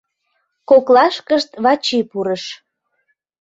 Коклашкышт Вачи пурыш.